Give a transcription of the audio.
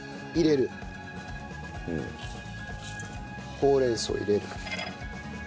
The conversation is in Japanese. ほうれん草を入れる。